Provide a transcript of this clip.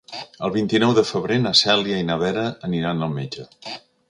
El vint-i-nou de febrer na Cèlia i na Vera aniran al metge.